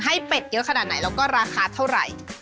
เป็ดเยอะขนาดไหนแล้วก็ราคาเท่าไหร่